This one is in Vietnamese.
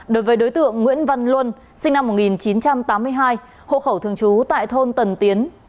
đối với đối tượng nguyễn văn luân sinh năm một nghìn chín trăm tám mươi hai hộ khẩu thường trú tại thôn tần tiến